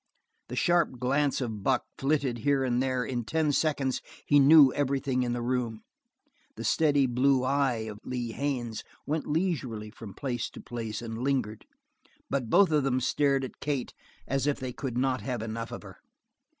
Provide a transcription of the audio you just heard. The sharp glance of Buck flitted here and there, in ten seconds he knew everything in the room; the steady blue eye of Lee Haines went leisurely from place to place and lingered; but both of them stared at Kate as if they could not have enough of her.